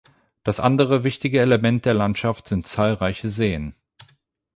Das andere wichtige Element der Landschaft sind zahlreiche Seen.